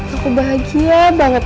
aku bahagia banget